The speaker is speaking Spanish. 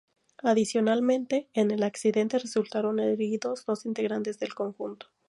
Adicionalmente, en el accidente resultaron heridos dos integrantes del conjunto.